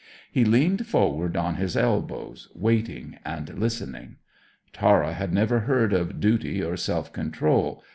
He leaned forward on his elbows, waiting and listening. Tara had never heard of duty or self control.